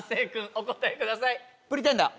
お答えください